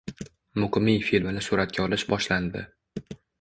“Muqimiy” filmini suratga olish boshlandi